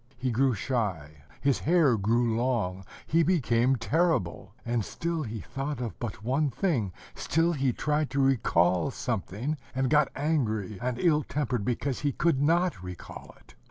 He grew shy, his hair grew long, he became terrible; and still he thought of but one thing, still he tried to recall something, and got angry and ill tempered because he could not recall it.